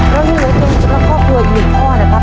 แล้วนี่เดี๋ยวกินให้ครอบครัวหยุดข้อนะครับ